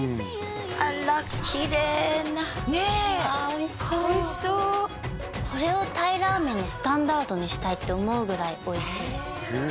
あら綺麗なねえうわおいしそうおいしそうこれをタイラーメンのスタンダードにしたいって思うぐらいおいしいですへえ